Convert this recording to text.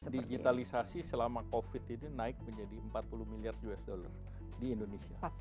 digitalisasi selama covid ini naik menjadi empat puluh miliar usd di indonesia